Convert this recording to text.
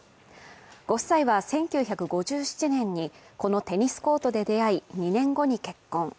ご夫妻は１９５７年に、このテニスコートで出会い、２年後に結婚。